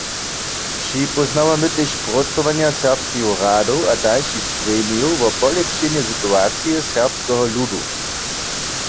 Připóznawamy tež prócowanja serbskeju radow a dalšich gremijow wo polěpšenje situacije serbskeho ludu.